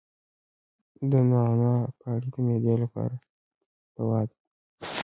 د نعناع پاڼې د معدې لپاره دوا ده.